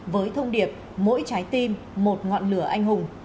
với thông điệp mỗi trái tim một ngọn lửa anh hùng